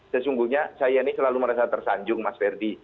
sesungguhnya saya ini selalu merasa tersanjung mas ferdi